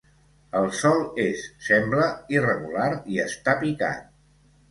El sòl és sembla irregular i està picat.